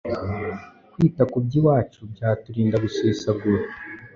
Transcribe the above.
Kwita ku by’iwacu byaturinda gusesagura